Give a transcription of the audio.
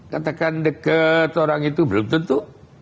katakan deket orang itu belum tentu